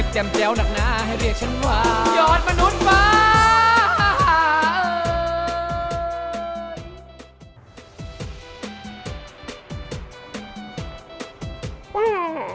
แจ้วหนักหนาให้เรียกฉันว่ายอดมนุษย์ว้า